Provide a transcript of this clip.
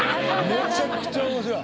めちゃくちゃ面白い！